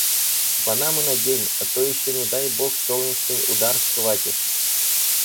Панаму надень, а то ещё не дай бог солнечный удар схватишь.